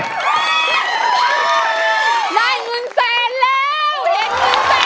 ได้เงินแสนแล้ว